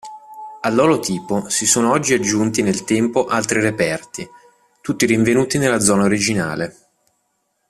All'olotipo si sono oggi aggiunti nel tempo altri reperti, tutti rinvenuti nella zona originale.